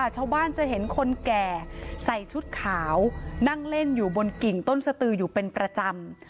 ชาวบ้านจะเห็นคนแก่ใส่ชุดขาวนั่งเล่นอยู่บนกิ่งต้นสตืออยู่เป็นประจำ